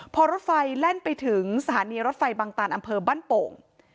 พอรถไฟแล่นไปถึงสถานีรถไฟบางตานอำเภอบ้านโป่ง